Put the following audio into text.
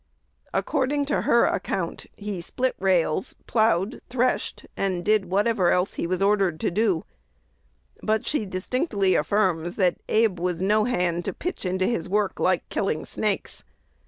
According to her account, he split rails, ploughed, threshed, and did whatever else he was ordered to do; but she distinctly affirms that "Abe was no hand to pitch into his work like killing snakes."